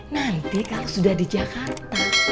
nanti kalau sudah di jakarta